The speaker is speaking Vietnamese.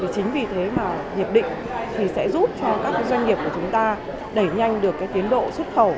chính vì thế mà nhiệt định thì sẽ giúp cho các doanh nghiệp của chúng ta đẩy nhanh được cái tiến độ xuất khẩu